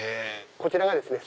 こちらがですね。